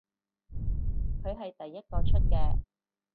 佢係第一個出嘅